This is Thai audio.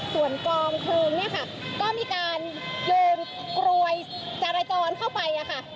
ส่วนกลองเครื่องเนี่ยค่ะก็มีการเดินกรวยจรจรเข้าไปค่ะ